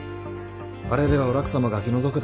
あれではお楽様が気の毒だ。